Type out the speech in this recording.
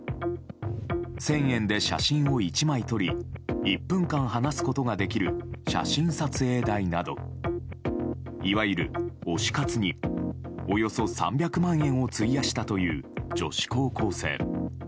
１０００円で写真を１枚撮り１分間話すことができる写真撮影代などいわゆる推し活におよそ３００万円を費やしたという女子高校生。